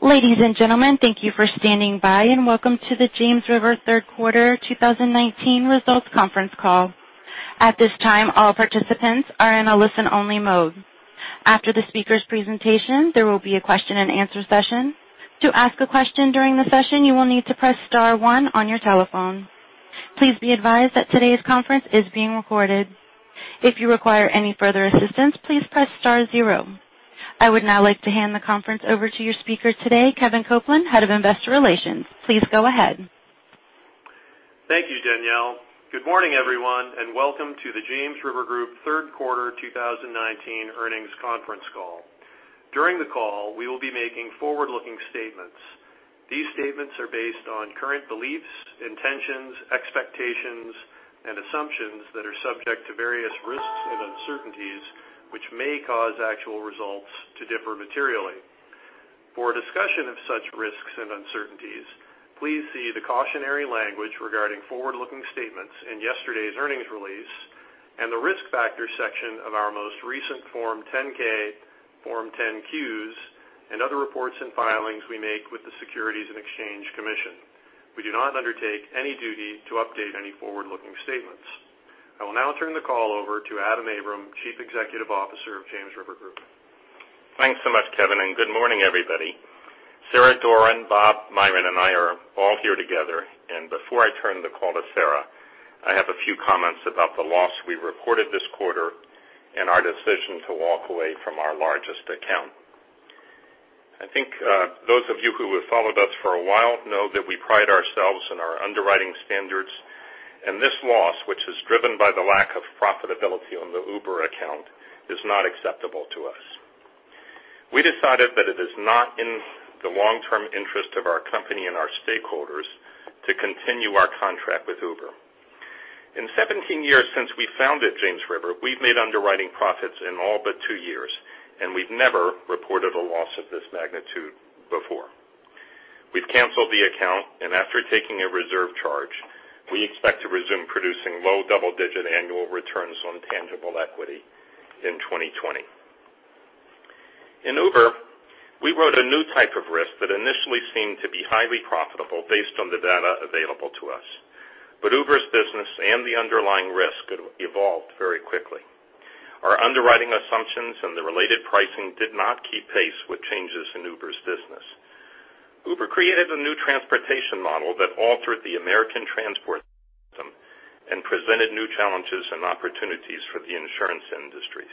Ladies and gentlemen, thank you for standing by and welcome to the James River third quarter 2019 results conference call. At this time, all participants are in a listen-only mode. After the speakers' presentation, there will be a question and answer session. To ask a question during the session, you will need to press star one on your telephone. Please be advised that today's conference is being recorded. If you require any further assistance, please press star zero. I would now like to hand the conference over to your speaker today, Kevin Copeland, Head of Investor Relations. Please go ahead. Thank you, Danielle. Good morning, everyone, and welcome to the James River Group third quarter 2019 earnings conference call. During the call, we will be making forward-looking statements. These statements are based on current beliefs, intentions, expectations, and assumptions that are subject to various risks and uncertainties, which may cause actual results to differ materially. For a discussion of such risks and uncertainties, please see the cautionary language regarding forward-looking statements in yesterday's earnings release and the risk factors section of our most recent Form 10-K, Form 10-Qs, and other reports and filings we make with the Securities and Exchange Commission. We do not undertake any duty to update any forward-looking statements. I will now turn the call over to Adam Abram, Chief Executive Officer of James River Group. Thanks so much, Kevin, and good morning, everybody. Sarah Doran, Bob Myren, and I are all here together, and before I turn the call to Sarah, I have a few comments about the loss we reported this quarter and our decision to walk away from our largest account. I think those of you who have followed us for a while know that we pride ourselves in our underwriting standards. This loss, which is driven by the lack of profitability on the Uber account, is not acceptable to us. We decided that it is not in the long-term interest of our company and our stakeholders to continue our contract with Uber. In 17 years since we founded James River, we've made underwriting profits in all but two years, and we've never reported a loss of this magnitude before. We've canceled the account, and after taking a reserve charge, we expect to resume producing low double-digit annual returns on tangible equity in 2020. In Uber, we wrote a new type of risk that initially seemed to be highly profitable based on the data available to us. But Uber's business and the underlying risk evolved very quickly. Our underwriting assumptions and the related pricing did not keep pace with changes in Uber's business. Uber created a new transportation model that altered the American transport system and presented new challenges and opportunities for the insurance industry.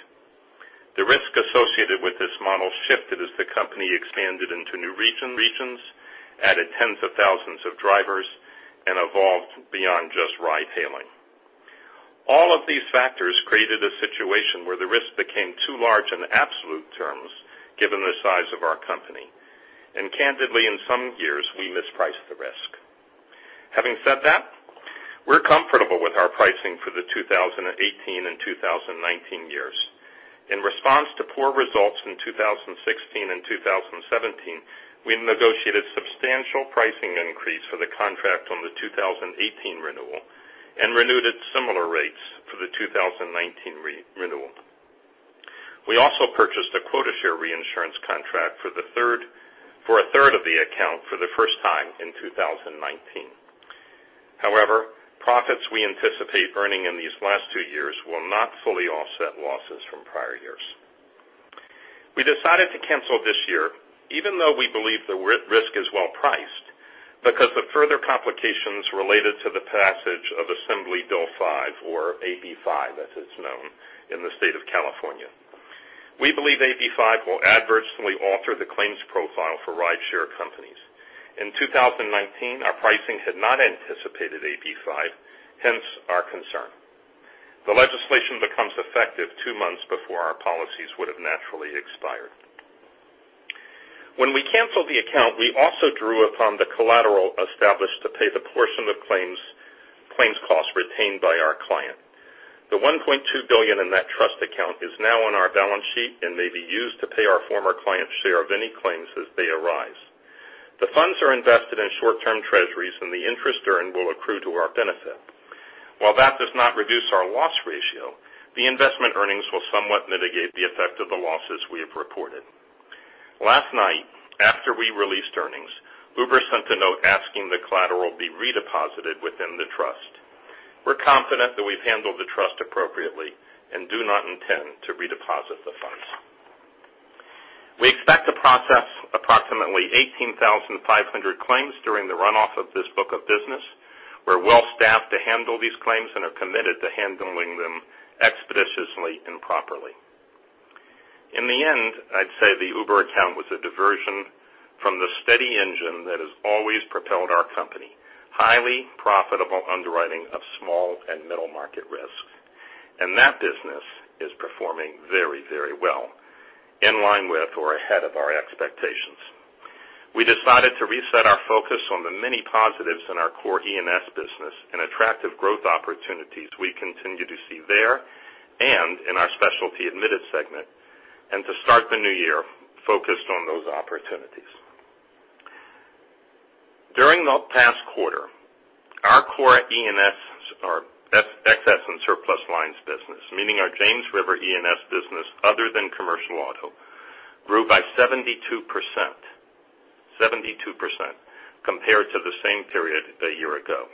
The risk associated with this model shifted as the company expanded into new regions, added tens of thousands of drivers, and evolved beyond just ride-hailing. All of these factors created a situation where the risk became too large in absolute terms, given the size of our company. Candidly, in some years, we mispriced the risk. Having said that, we're comfortable with our pricing for the 2018 and 2019 years. In response to poor results in 2016 and 2017, we negotiated substantial pricing increase for the contract on the 2018 renewal and renewed at similar rates for the 2019 renewal. We also purchased a quota share reinsurance contract for a third of the account for the first time in 2019. Profits we anticipate earning in these last two years will not fully offset losses from prior years. We decided to cancel this year, even though we believe the risk is well priced because of further complications related to the passage of Assembly Bill 5, or AB5, as it's known in the state of California. We believe AB5 will adversely alter the claims profile for rideshare companies. In 2019, our pricing had not anticipated AB5, hence our concern. The legislation becomes effective two months before our policies would've naturally expired. When we canceled the account, we also drew upon the collateral established to pay the portion of claims costs retained by our client. The $1.2 billion in that trust account is now on our balance sheet and may be used to pay our former client's share of any claims as they arise. The funds are invested in short-term treasuries, and the interest earned will accrue to our benefit. While that does not reduce our loss ratio, the investment earnings will somewhat mitigate the effect of the losses we have reported. Last night, after we released earnings, Uber sent a note asking the collateral be redeposited within the trust. We're confident that we've handled the trust appropriately and do not intend to redeposit the funds. We expect to process approximately 18,500 claims during the runoff of this book of business. We're well-staffed to handle these claims and are committed to handling them expeditiously and properly. In the end, I'd say the Uber account was a diversion from the steady engine that has always propelled our company: highly profitable underwriting of small and middle-market risk. That business is performing very well, in line with or ahead of our expectations. We decided to reset our focus on the many positives in our core E&S business and attractive growth opportunities we continue to see there and in our specialty admitted segment, and to start the new year focused on those opportunities. During the past quarter, our core E&S, our Excess and Surplus Lines business, meaning our James River E&S business other than commercial auto, grew by 72%, compared to the same period a year ago.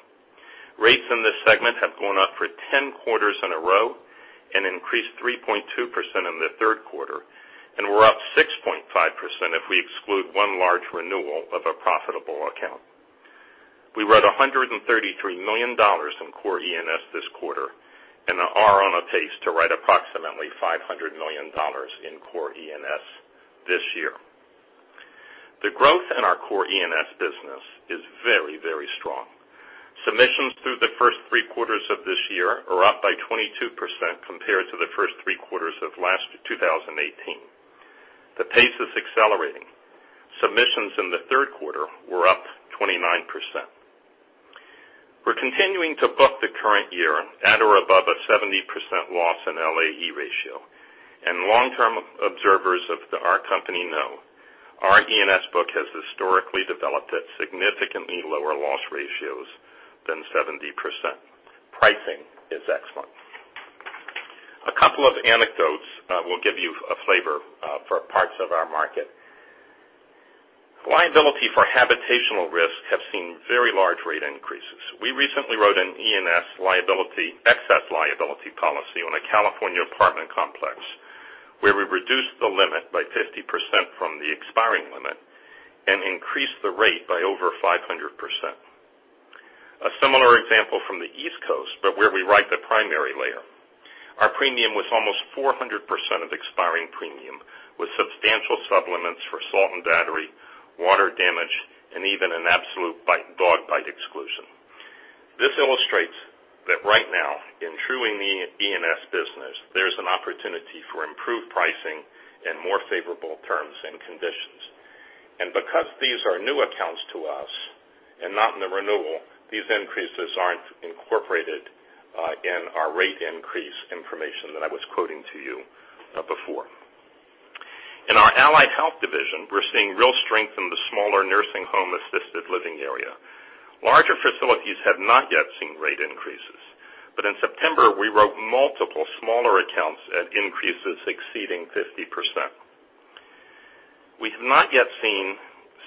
Rates in this segment have gone up for 10 quarters in a row and increased 3.2% in the third quarter and were up 6.5% if we exclude one large renewal of a profitable account. We wrote $133 million in core E&S this quarter and are on a pace to write approximately $500 million in core E&S this year. The growth in our core E&S business is very strong. Submissions through the first three quarters of this year are up by 22% compared to the first three quarters of last 2018. The pace is accelerating. Submissions in the third quarter were up 29%. We're continuing to book the current year at or above a 70% loss in LAE ratio. Long-term observers of our company know our E&S book has historically developed at significantly lower loss ratios than 70%. Pricing is excellent. A couple of anecdotes will give you a flavor for parts of our market. Liability for habitational risks have seen very large rate increases. We recently wrote an E&S excess liability policy on a California apartment complex, where we reduced the limit by 50% from the expiring limit and increased the rate by over 500%. A similar example from the East Coast, but where we write the primary layer. Our premium was almost 400% of expiring premium, with substantial supplements for assault and battery, water damage, and even an absolute dog bite exclusion. This illustrates that right now, in truing the E&S business, there is an opportunity for improved pricing and more favorable terms and conditions. Because these are new accounts to us and not in the renewal, these increases aren't incorporated in our rate increase information that I was quoting to you before. In our Allied Health division, we're seeing real strength in the smaller nursing home-assisted living area. Larger facilities have not yet seen rate increases. In September, we wrote multiple smaller accounts at increases exceeding 50%. We have not yet seen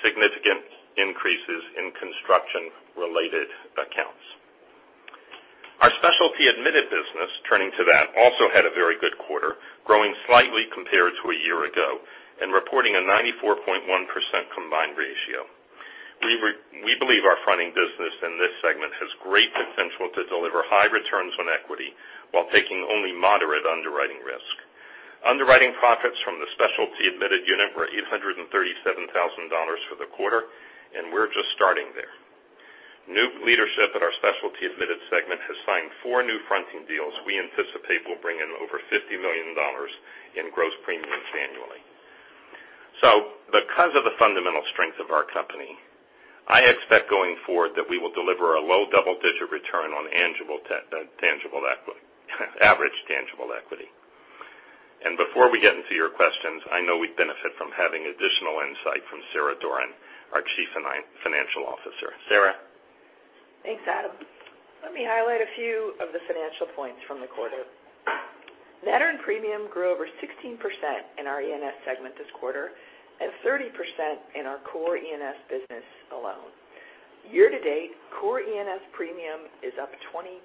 significant increases in construction-related accounts. Our specialty admitted business, turning to that, also had a very good quarter, growing slightly compared to a year ago and reporting a 94.1% combined ratio. We believe our fronting business in this segment has great potential to deliver high returns on equity while taking only moderate underwriting risk. Underwriting profits from the specialty admitted unit were $837,000 for the quarter. We're just starting there. New leadership at our specialty admitted segment has signed four new fronting deals we anticipate will bring in over $50 million in gross premiums annually. Because of the fundamental strength of our company, I expect going forward that we will deliver a low double-digit return on average tangible equity. Before we get into your questions, I know we'd benefit from having additional insight from Sarah Doran, our chief financial officer. Sarah? Thanks, Adam. Let me highlight a few of the financial points from the quarter. Net earned premium grew over 16% in our E&S segment this quarter and 30% in our core E&S business alone. Year-to-date, core E&S earned premium is up 20%.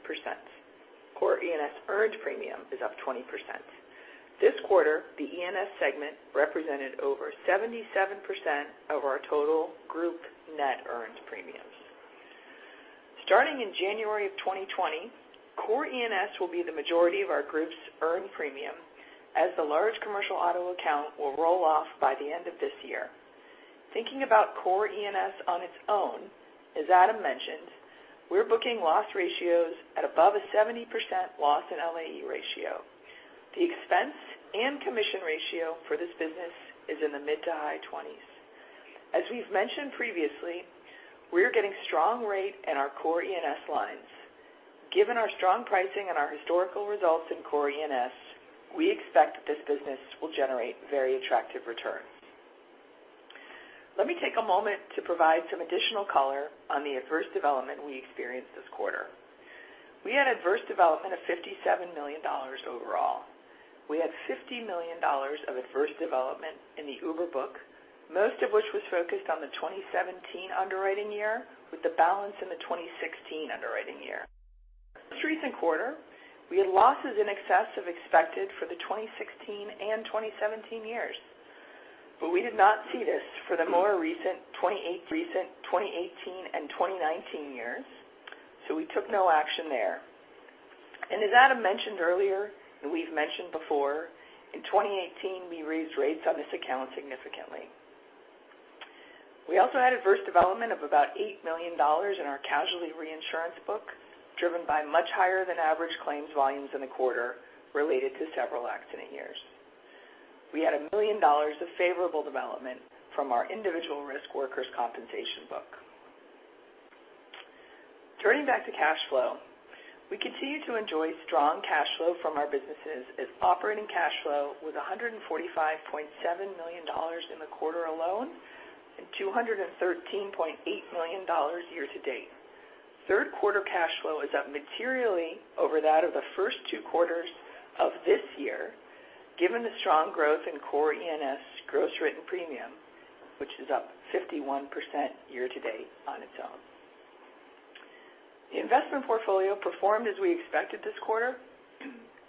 This quarter, the E&S segment represented over 77% of our total group net earned premiums. Starting in January of 2020, core E&S will be the majority of our group's earned premium as the large commercial auto account will roll off by the end of this year. Thinking about core E&S on its own, as Adam mentioned, we're booking loss ratios at above a 70% loss in LAE ratio. The expense and commission ratio for this business is in the mid to high 20s. As we've mentioned previously, we are getting strong rate in our core E&S lines. Given our strong pricing and our historical results in core E&S, we expect that this business will generate very attractive returns. Let me take a moment to provide some additional color on the adverse development we experienced this quarter. We had adverse development of $57 million overall. We had $50 million of adverse development in the Uber book, most of which was focused on the 2017 underwriting year with the balance in the 2016 underwriting year. This recent quarter, we had losses in excess of expected for the 2016 and 2017 years, but we did not see this for the more recent 2018 and 2019 years, so we took no action there. As Adam mentioned earlier, and we've mentioned before, in 2018, we raised rates on this account significantly. We also had adverse development of about $8 million in our casualty reinsurance book, driven by much higher than average claims volumes in the quarter related to several accident years. We had $1 million of favorable development from our individual risk workers' compensation book. Turning back to cash flow, we continue to enjoy strong cash flow from our businesses as operating cash flow was $145.7 million in the quarter alone and $213.8 million year to date. Third quarter cash flow is up materially over that of the first two quarters of this year, given the strong growth in core E&S gross written premium, which is up 51% year to date on its own. The investment portfolio performed as we expected this quarter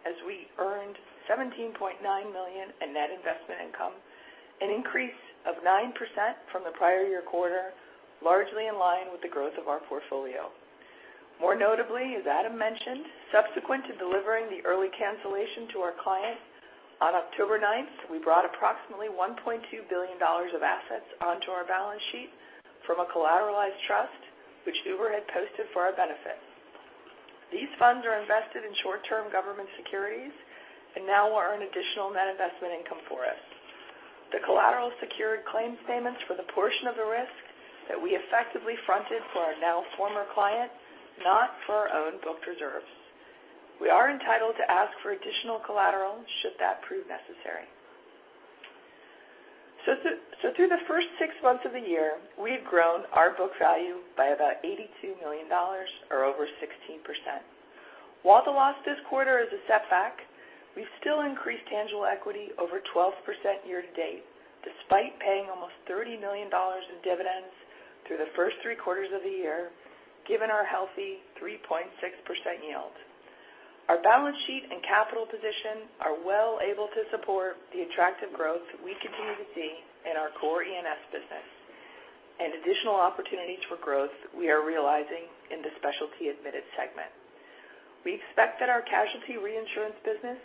as we earned $17.9 million in net investment income, an increase of 9% from the prior year quarter, largely in line with the growth of our portfolio. More notably, as Adam mentioned, subsequent to delivering the early cancellation to our client on October 9th, we brought approximately $1.2 billion of assets onto our balance sheet from a collateralized trust, which Uber had posted for our benefit. These funds are invested in short-term government securities and now will earn additional net investment income for us. The collateral secured claims payments for the portion of the risk that we effectively fronted for our now former client, not for our own booked reserves. We are entitled to ask for additional collateral should that prove necessary. Through the first six months of the year, we've grown our book value by about $82 million or over 16%. While the loss this quarter is a setback, we've still increased tangible equity over 12% year to date, despite paying almost $30 million in dividends through the first three quarters of the year, given our healthy 3.6% yield. Our balance sheet and capital position are well able to support the attractive growth we continue to see in our core E&S business and additional opportunities for growth we are realizing in the specialty admitted segment. We expect that our casualty reinsurance business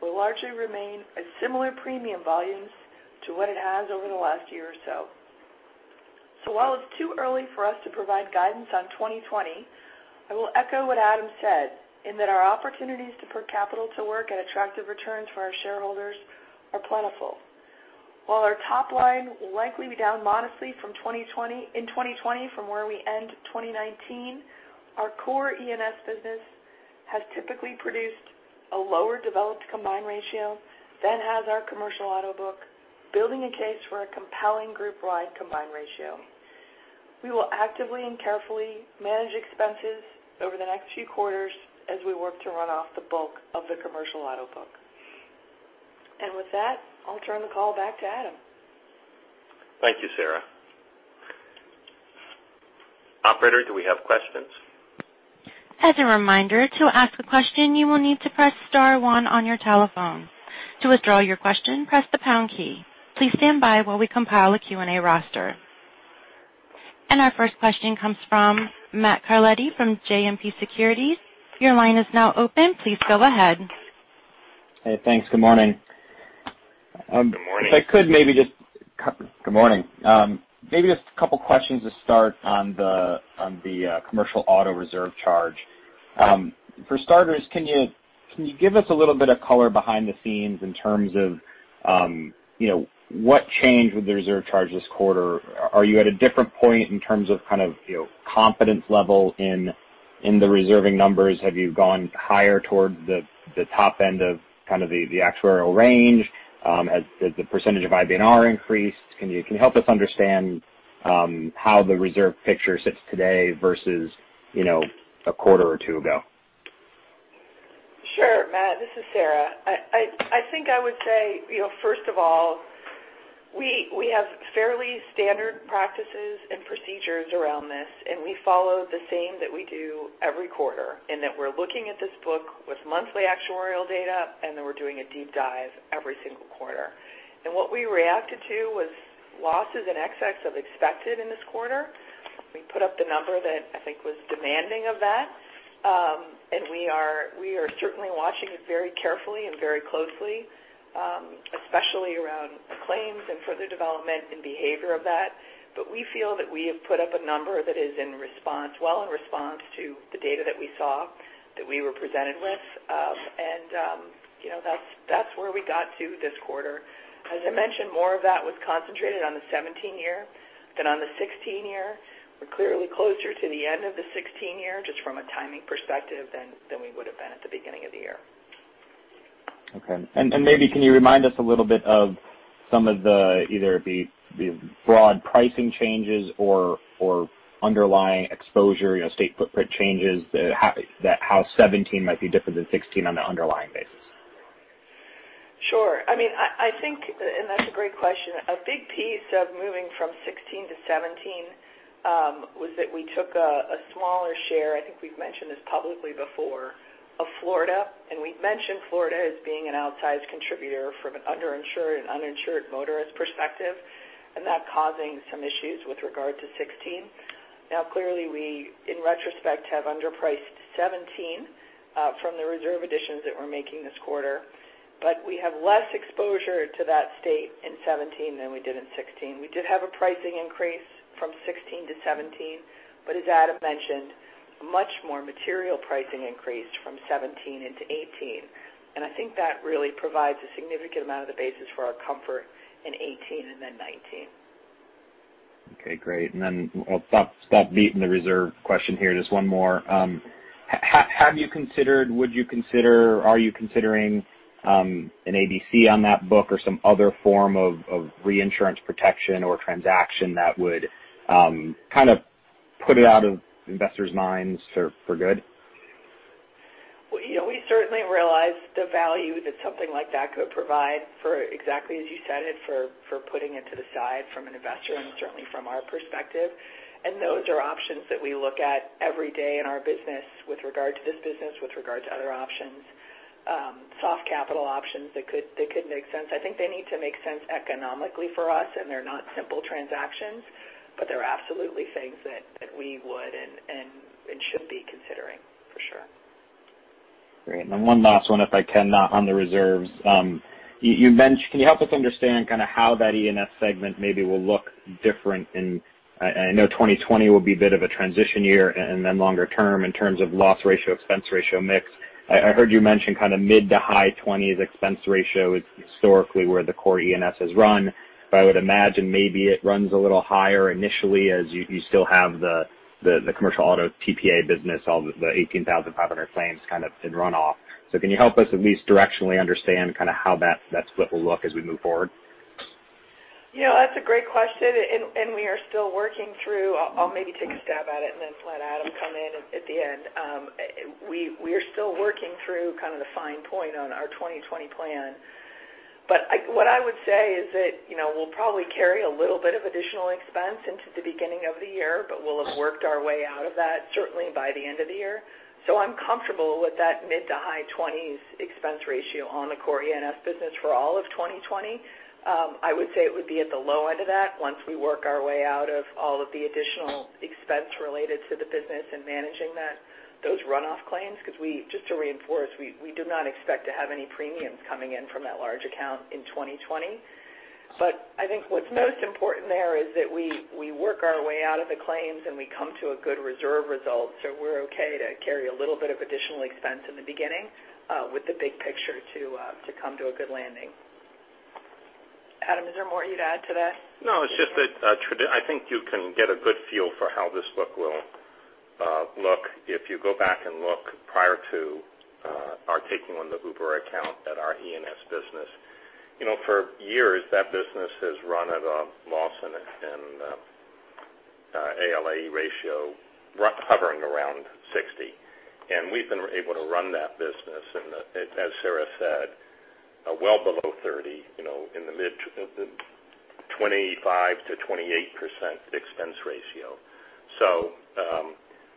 will largely remain at similar premium volumes to what it has over the last year or so. While it's too early for us to provide guidance on 2020, I will echo what Adam said in that our opportunities to put capital to work at attractive returns for our shareholders are plentiful. While our top line will likely be down modestly in 2020 from where we end 2019, our core E&S business has typically produced a lower developed combined ratio than has our commercial auto book, building a case for a compelling group-wide combined ratio. We will actively and carefully manage expenses over the next few quarters as we work to run off the bulk of the commercial auto book. With that, I'll turn the call back to Adam. Thank you, Sarah. Operator, do we have questions? As a reminder, to ask a question, you will need to press star one on your telephone. To withdraw your question, press the pound key. Please stand by while we compile a Q&A roster. Our first question comes from Matthew Carletti from JMP Securities. Your line is now open. Please go ahead. Hey, thanks. Good morning. Good morning. Good morning. Maybe just a couple questions to start on the commercial auto reserve charge. For starters, can you give us a little bit of color behind the scenes in terms of what changed with the reserve charge this quarter? Are you at a different point in terms of confidence level in the reserving numbers? Have you gone higher towards the top end of the actuarial range? Has the percentage of IBNR increased? Can you help us understand how the reserve picture sits today versus a quarter or two ago? Sure. Matt, this is Sarah. I think I would say, first of all, we have fairly standard practices and procedures around this, and we follow the same that we do every quarter in that we're looking at this book with monthly actuarial data, then we're doing a deep dive every single quarter. What we reacted to was losses in excess of expected in this quarter. We put up the number that I think was demanding of that. We are certainly watching it very carefully and very closely, especially around claims and further development and behavior of that. We feel that we have put up a number that is well in response to the data that we saw, that we were presented with. That's where we got to this quarter. As I mentioned, more of that was concentrated on the 2017 year than on the 2016 year. We're clearly closer to the end of the 2016 year, just from a timing perspective, than we would've been at the beginning of the year. Okay. Maybe can you remind us a little bit of some of the either the broad pricing changes or underlying exposure, state footprint changes that how 2017 might be different than 2016 on an underlying basis? Sure. I think, and that's a great question. A big piece of moving from 2016 to 2017 was that we took a smaller share, I think we've mentioned this publicly before, of Florida, and we've mentioned Florida as being an outsized contributor from an under-insured and uninsured motorist perspective, and that causing some issues with regard to 2016. Now, clearly, we, in retrospect, have underpriced 2017 from the reserve additions that we're making this quarter, but we have less exposure to that state in 2017 than we did in 2016. We did have a pricing increase from 2016 to 2017, but as Adam mentioned, much more material pricing increased from 2017 into 2018. I think that really provides a significant amount of the basis for our comfort in 2018 and then 2019. Okay, great. Then I'll stop beating the reserve question here. Just one more. Have you considered, would you consider, are you considering an ADC on that book or some other form of reinsurance protection or transaction that would put it out of investors' minds for good? We certainly realize the value that something like that could provide for exactly as you said it, for putting it to the side from an investor and certainly from our perspective. Those are options that we look at every day in our business with regard to this business, with regard to other options, soft capital options that could make sense. I think they need to make sense economically for us, and they're not simple transactions, but they're absolutely things that we would and should be considering, for sure. Great. One last one if I can, not on the reserves. Can you help us understand how that E&S segment maybe will look different in, I know 2020 will be a bit of a transition year and then longer term in terms of loss ratio, expense ratio mix. I heard you mention mid to high 20s expense ratio is historically where the core E&S has run. I would imagine maybe it runs a little higher initially as you still have the commercial auto TPA business, all the 18,500 claims kind of in runoff. Can you help us at least directionally understand how that split will look as we move forward? That's a great question, we are still working through. I'll maybe take a stab at it and then let Adam come in at the end. We are still working through kind of the fine point on our 2020 plan. What I would say is that we'll probably carry a little bit of additional expense into the beginning of the year, but we'll have worked our way out of that certainly by the end of the year. I'm comfortable with that mid to high 20s expense ratio on the core E&S business for all of 2020. I would say it would be at the low end of that once we work our way out of all of the additional expense related to the business and managing those runoff claims, because just to reinforce, we do not expect to have any premiums coming in from that large account in 2020. I think what's most important there is that we work our way out of the claims and we come to a good reserve result. We're okay to carry a little bit of additional expense in the beginning with the big picture to come to a good landing. Adam, is there more you'd add to that? It's just that I think you can get a good feel for how this book will look if you go back and look prior to our taking on the Uber account at our E&S business. For years, that business has run at a loss in LAE ratio hovering around 60. We've been able to run that business, and as Sarah said, well below 30, in the mid 25% to 28% expense ratio.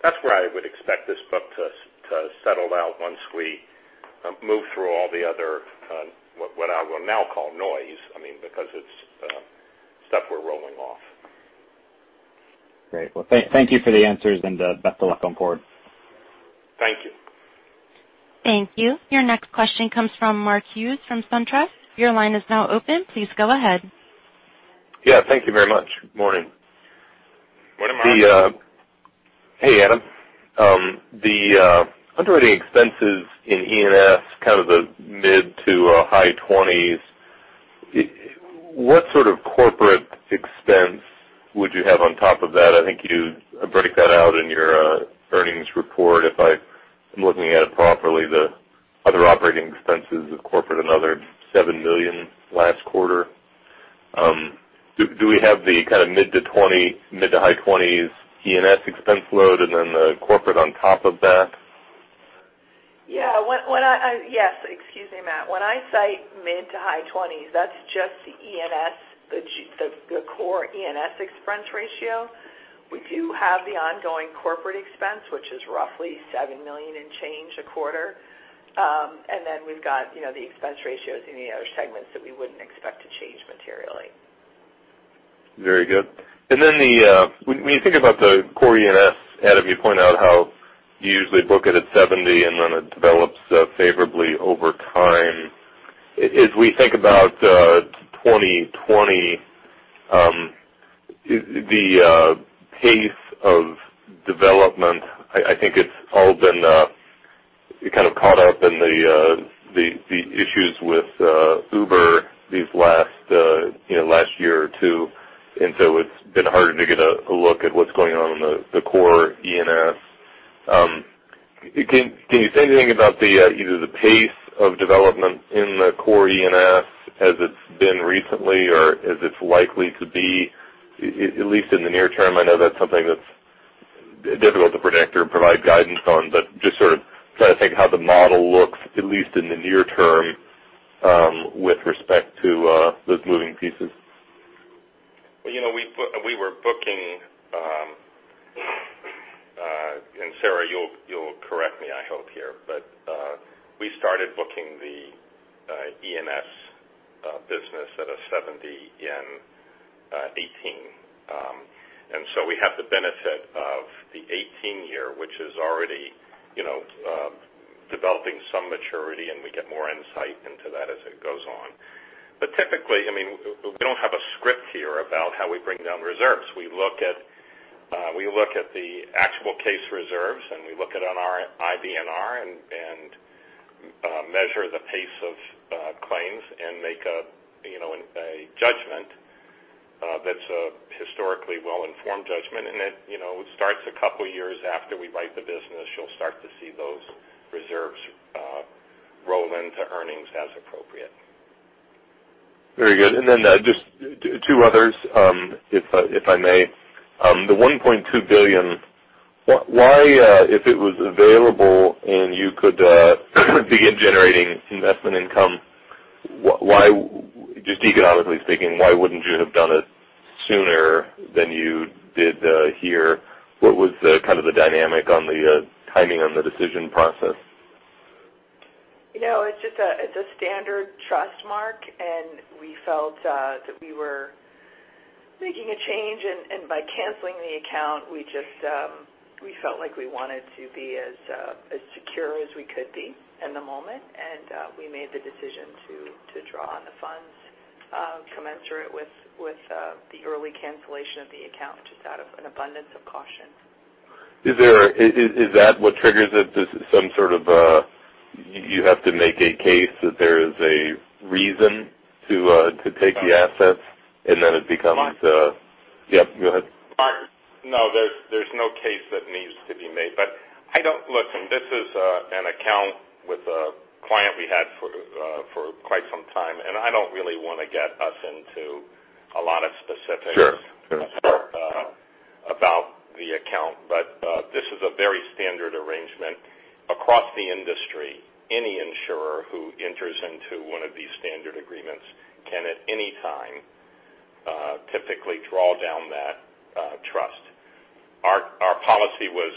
That's where I would expect this book to settle out once we move through all the other, what I will now call noise, because it's stuff we're rolling off. Great. Well, thank you for the answers and best of luck going forward. Thank you. Thank you. Your next question comes from Mark Hughes from SunTrust. Your line is now open. Please go ahead. Yeah, thank you very much. Good morning. Good morning, Mark. Hey, Adam. The underwriting expenses in E&S, kind of the mid to high 20s, what sort of corporate expense would you have on top of that? I think you break that out in your earnings report. If I'm looking at it properly, the other operating expenses of corporate, another $7 million last quarter. Do we have the kind of mid to high 20s E&S expense load and then the corporate on top of that? Yes. Excuse me, Matt. When I cite mid to high 20s, that's just the core E&S expense ratio. We do have the ongoing corporate expense, which is roughly $7 million and change a quarter. Then we've got the expense ratios in the other segments that we wouldn't expect to change materially. Very good. Then when you think about the core E&S, Adam, you point out how you usually book it at 70 and then it develops favorably over time. As we think about 2020, the pace of development, I think it's all been kind of caught up in the issues with Uber these last year or two, so it's been harder to get a look at what's going on in the core E&S. Can you say anything about either the pace of development in the core E&S as it's been recently or as it's likely to be, at least in the near term? I know that's something that's difficult to predict or provide guidance on, just sort of trying to think how the model looks, at least in the near term, with respect to those moving pieces. We were booking, and Sarah, you will correct me I hope here, but we started booking the E&S business at a 70 in 2018. We have the benefit of the 2018 year, which is already developing some maturity, and we get more insight into that as it goes on. Typically, we do not have a script here about how we bring down reserves. We look at the actual case reserves, and we look at our IBNR and measure the pace of claims and make a judgment that is a historically well-informed judgment, and it starts a couple years after we write the business. You will start to see those reserves roll into earnings as appropriate. Very good. Then just two others, if I may. The $1.2 billion, why, if it was available, and you could begin generating investment income, just economically speaking, why would not you have done it sooner than you did here? What was the kind of the dynamic on the timing on the decision process? It is a standard trust, Mark, and we felt that we were making a change, and by canceling the account, we felt like we wanted to be as secure as we could be in the moment. We made the decision to draw on the funds commensurate with the early cancellation of the account, just out of an abundance of caution. Is that what triggers it? There is some sort of you have to make a case that there is a reason to take the assets, and then it becomes. Mark? Yeah, go ahead. Mark. No, there's no case that needs to be made. Listen, I don't really want to get us into a lot of specifics. Sure About the account. This is a very standard arrangement across the industry. Any insurer who enters into one of these standard agreements can, at any time, typically draw down that trust. Our policy was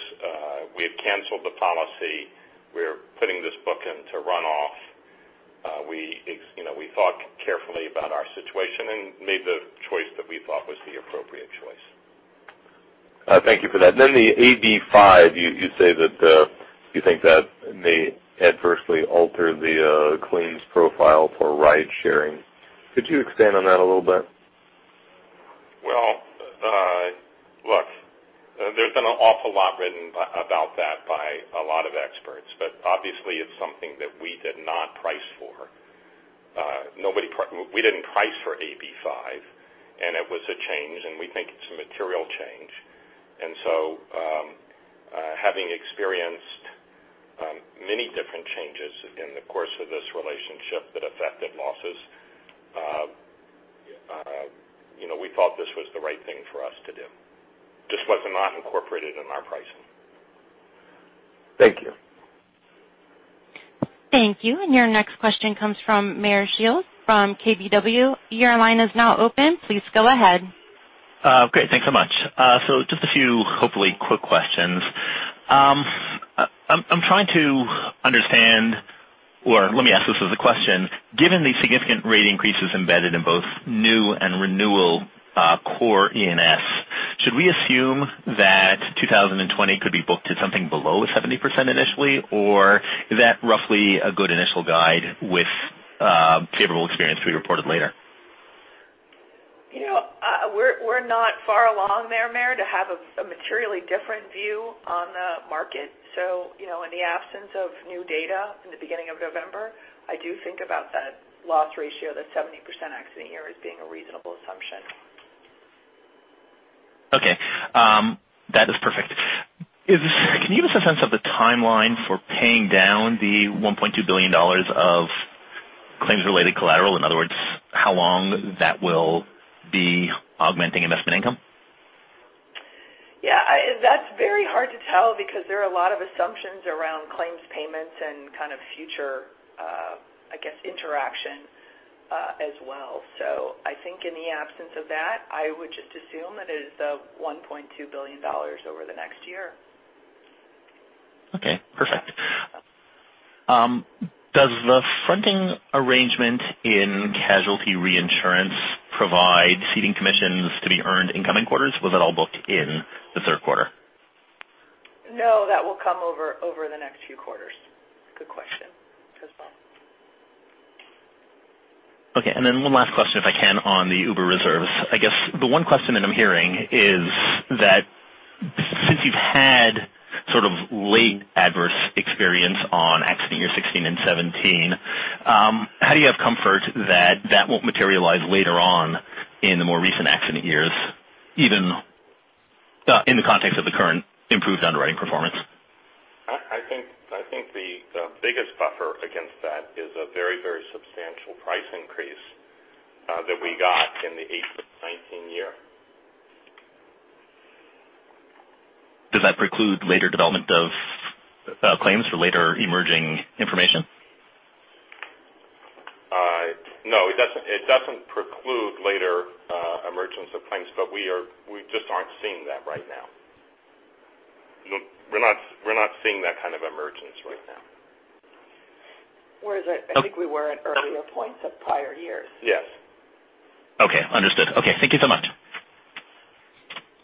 we had canceled the policy. We're putting this book into runoff. We thought carefully about our situation and made the choice that we thought was the appropriate choice. Thank you for that. The AB5, you say that you think that may adversely alter the claims profile for ride sharing. Could you expand on that a little bit? Well, look, there's been an awful lot written about that by a lot of experts, but obviously, it's something that we did not price for. We didn't price for AB5, and it was a change, and we think it's a material change. Having experienced many different changes in the course of this relationship that affected losses, we thought this was the right thing for us to do. Just was not incorporated in our pricing. Thank you. Thank you. Your next question comes from Meyer Shields from KBW. Your line is now open. Please go ahead. Great. Thanks so much. Just a few, hopefully, quick questions. I'm trying to understand, or let me ask this as a question. Given the significant rate increases embedded in both new and renewal core E&S, should we assume that 2020 could be booked at something below 70% initially, or is that roughly a good initial guide with favorable experience to be reported later? We're not far along Meyer, to have a materially different view on the market. In the absence of new data in the beginning of November, I do think about that loss ratio, that 70% accident year as being a reasonable assumption. Okay. That is perfect. Can you give us a sense of the timeline for paying down the $1.2 billion of claims-related collateral? In other words, how long that will be augmenting investment income? Yeah, that's very hard to tell because there are a lot of assumptions around claims payments and kind of future, I guess, interaction as well. I think in the absence of that, I would just assume that it is $1.2 billion over the next year. Okay, perfect. Does the fronting arrangement in casualty reinsurance provide ceding commissions to be earned in coming quarters, or was that all booked in the third quarter? No, that will come over the next few quarters. Good question. Okay, one last question, if I can, on the Uber reserves. I guess the one question that I'm hearing is that since you've had sort of late adverse experience on accident year 2016 and 2017, how do you have comfort that that won't materialize later on in the more recent accident years, even in the context of the current improved underwriting performance? I think the biggest buffer against that is a very substantial price increase that we got in the 2018, 2019 year. Does that preclude later development of claims for later emerging information? No, it doesn't preclude later emergence of claims, but we just aren't seeing that right now. We're not seeing that kind of emergence right now. Whereas I think we were at earlier points of prior years. Yes. Okay, understood. Okay, thank you so much.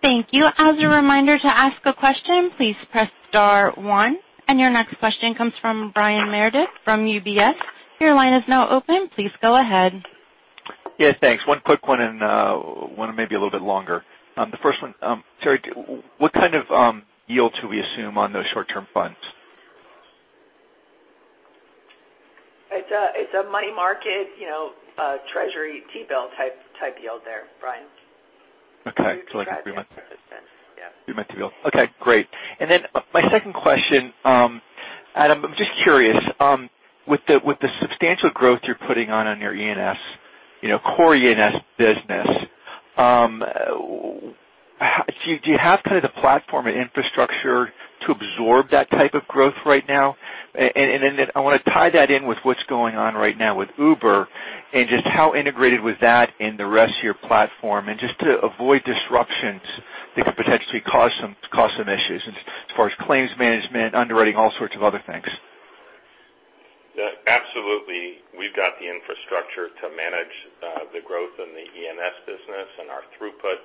Thank you. As a reminder to ask a question, please press star one. Your next question comes from Brian Meredith from UBS. Your line is now open. Please go ahead. Yeah, thanks. One quick one and one maybe a little bit longer. The first one, Sarah, what kind of yield should we assume on those short-term funds? It's a money market, treasury T-bill type yield there, Brian. Okay. like a three-month. Yeah three-month T-bill. Okay, great. My second question, Adam, I'm just curious, with the substantial growth you're putting on your E&S, core E&S business, do you have kind of the platform and infrastructure to absorb that type of growth right now? I want to tie that in with what's going on right now with Uber and just how integrated with that and the rest of your platform, and just to avoid disruptions that could potentially cause some issues as far as claims management, underwriting, all sorts of other things. Absolutely. We've got the infrastructure to manage the growth in the E&S business. Our throughput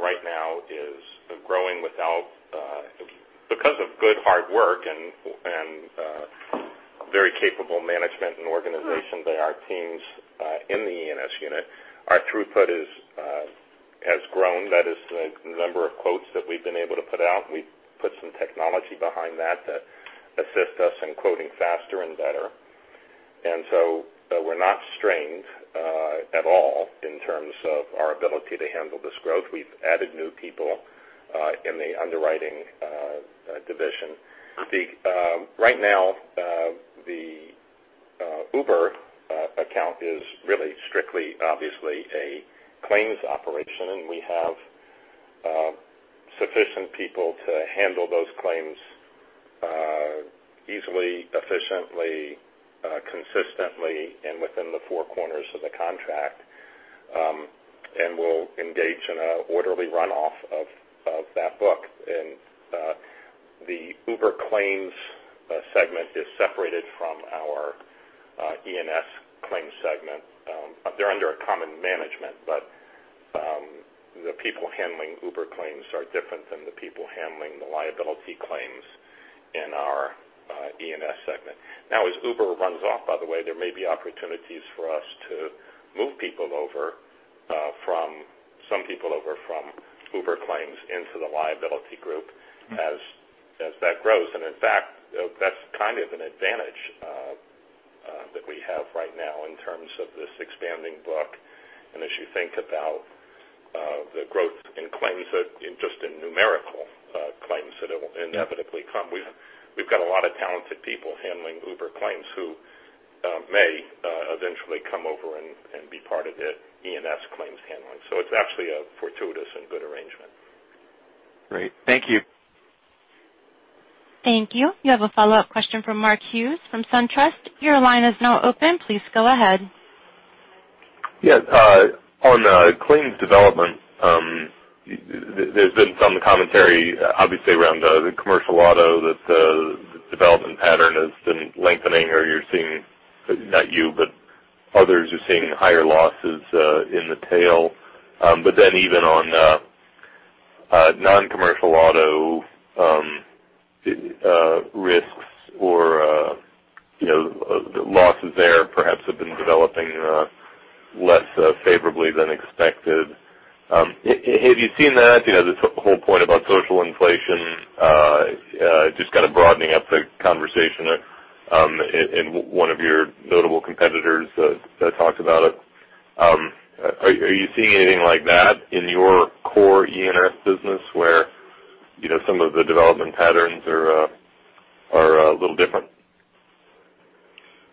right now is growing because of good hard work and very capable management and organization by our teams in the E&S unit. Our throughput has grown, that is the number of quotes that we've been able to put out, and we've put some technology behind that assist us in quoting faster and better. We're not strained at all in terms of our ability to handle this growth. We've added new people in the underwriting division. Right now, the Uber account is really strictly, obviously a claims operation, and we have sufficient people to handle those claims easily, efficiently, consistently, and within the four corners of the contract. We'll engage in an orderly runoff of that book. The Uber claims segment is separated from our E&S claims segment. They're under a common management, but the people handling Uber claims are different than the people handling the liability claims in our E&S segment. As Uber runs off, by the way, there may be opportunities for us to move some people over from Uber claims into the liability group as that grows. In fact, that's kind of an advantage that we have right now in terms of this expanding book. As you think about the growth in claims, just in numerical claims that will inevitably come, we've got a lot of talented people handling Uber claims who may eventually come over and be part of the E&S claims handling. It's actually a fortuitous and good arrangement. Great. Thank you. Thank you. You have a follow-up question from Mark Hughes from SunTrust. Your line is now open. Please go ahead. Yes. On claims development, there's been some commentary, obviously, around the commercial auto that the development pattern has been lengthening or you're seeing, not you, but others are seeing higher losses in the tail. Even on non-commercial auto risks or losses there perhaps have been developing less favorably than expected. Have you seen that? The whole point about social inflation, just kind of broadening up the conversation, and one of your notable competitors that talked about it. Are you seeing anything like that in your core E&S business where some of the development patterns are a little different?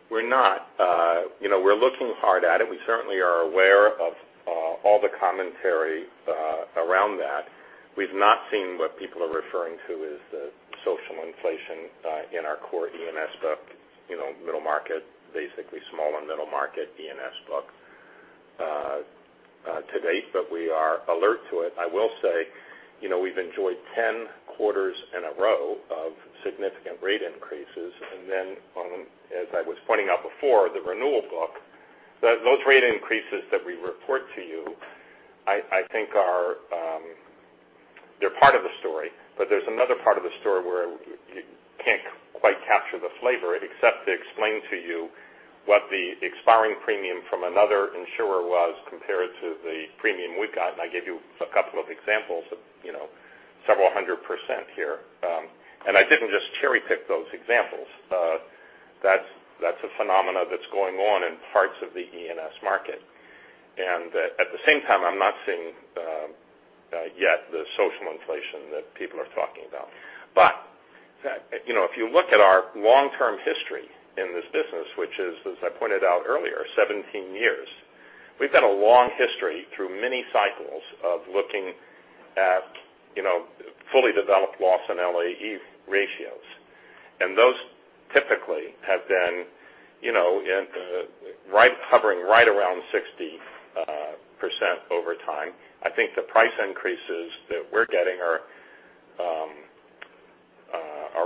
We're not. We're looking hard at it. We certainly are aware of all the commentary around that. We've not seen what people are referring to as the social inflation in our core E&S book, middle market, basically small and middle market E&S book to date, but we are alert to it. I will say, we've enjoyed 10 quarters in a row of significant rate increases. As I was pointing out before, the renewal book, those rate increases that we report to you, I think they're part of the story. There's another part of the story where you can't quite capture the flavor except to explain to you what the expiring premium from another insurer was compared to the premium we got. I gave you a couple of examples of several hundred percent here. I didn't just cherry-pick those examples. That's a phenomena that's going on in parts of the E&S market. At the same time, I'm not seeing yet the social inflation that people are talking about. If you look at our long-term history in this business, which is, as I pointed out earlier, 17 years, we've got a long history through many cycles of looking at fully developed loss and LAE ratios. Those typically have been hovering right around 60% over time. I think the price increases that we're getting are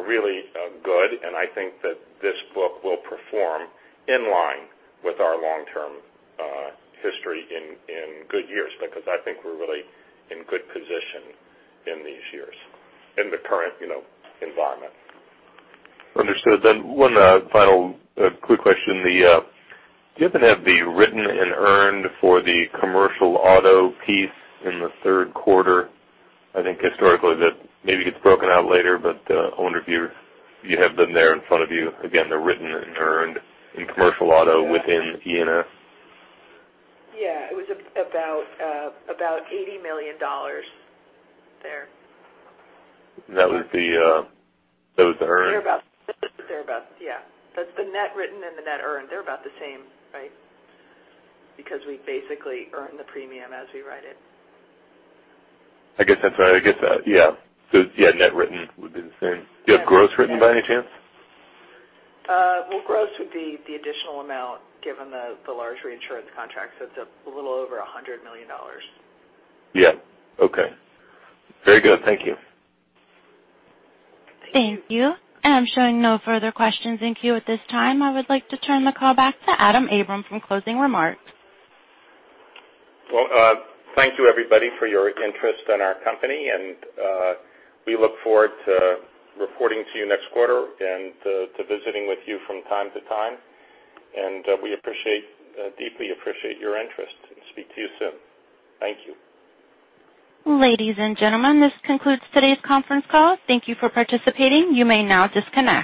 really good, and I think that this book will perform in line with our long-term history in good years, because I think we're really in good position in these years in the current environment. Understood. One final quick question. Do you happen to have the written and earned for the commercial auto piece in the third quarter? I think historically that maybe gets broken out later, but I wonder if you have them there in front of you. Again, the written and earned in commercial auto within E&S. Yeah. It was about $80 million there. That was the earned- Yeah. The net written and the net earned, they're about the same, right? Because we basically earn the premium as we write it. Yeah. net written would be the same. Yeah. Do you have gross written by any chance? Well, gross would be the additional amount given the large reinsurance contract. It's a little over $100 million. Yeah. Okay. Very good. Thank you. Thank you. Thank you. I'm showing no further questions in queue at this time. I would like to turn the call back to Adam Abram for closing remarks. Well, thank you everybody for your interest in our company, and we look forward to reporting to you next quarter and to visiting with you from time to time. We deeply appreciate your interest, and speak to you soon. Thank you. Ladies and gentlemen, this concludes today's conference call. Thank you for participating. You may now disconnect.